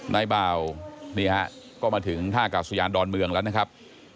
นายบ่าวนี่ฮะก็มาถึงท่ากาศยานดอนเมืองแล้วนะครับ